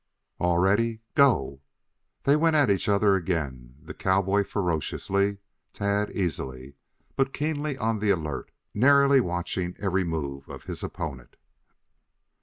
"All ready! Go!" They went at each other again, the cowboy ferociously Tad easily, but keenly on the alert, narrowly watching every move of his opponent.